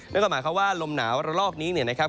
และก็หมายความว่าลมหนาวันลอกนี้นะครับ